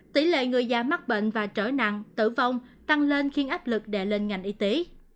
tỷ lệ người già mắc bệnh và trở nặng tử vong tăng lên khiến áp lực đè lên ngành y tế